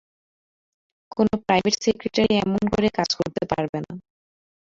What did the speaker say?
কোনো private secretary এমন করে কাজ করতে পারবে না।